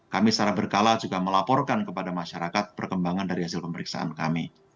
kami secara berkala juga melaporkan kepada masyarakat perkembangan dari hasil pemeriksaan kami